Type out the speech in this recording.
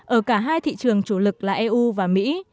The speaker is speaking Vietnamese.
ở cả hai thị trường chủ lực là eu và mỹ